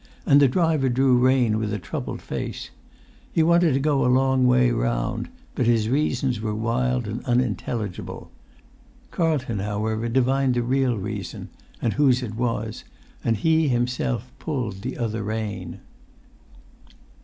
And the driver drew rein with a troubled face. He wanted to go a long way round, but his reasons were wild and unintelligible. Carlton, however, divined the real reason, and whose it was, and he himself pulled the other rein.